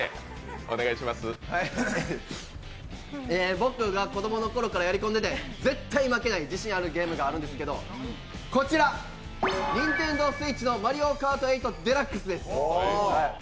僕が子供のころからやり込んでて絶対負けない自信あるゲームがあるんですけどこちら、ＮｉｎｔｅｎｄｏＳｗｉｔｃｈの「マリオカート８デラックス」です。